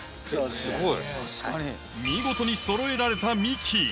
見事にそろえられた幹